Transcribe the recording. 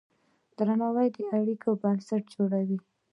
درناوی د اړیکو بنسټ جوړوي.